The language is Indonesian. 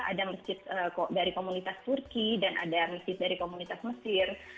ada masjid dari komunitas turki dan ada masjid dari komunitas mesir